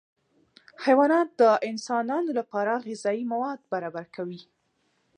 حیوانات د انسانانو لپاره غذایي مواد برابر کوي